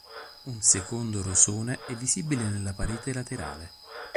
Un secondo rosone è visibile nella parete laterale.